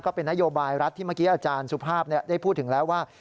ก็เป็นนโยบายรัฐที่เมื่อกี้อาจารย์สุภาพได้พูดถึงแล้วว่า